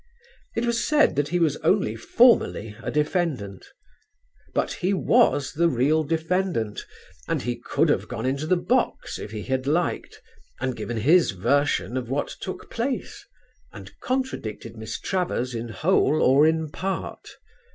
It was said that he was only formally a defendant; but he was the real defendant and he could have gone into the box if he had liked and given his version of what took place and contradicted Miss Travers in whole or in part.